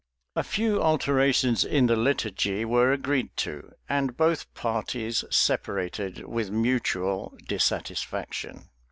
[] A few alterations in the liturgy were agreed to, and both parties separated with mutual dissatisfaction.